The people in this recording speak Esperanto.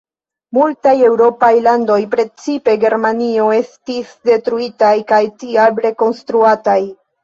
Multaj eŭropaj landoj, precipe Germanio, estis detruitaj kaj tial rekonstruataj.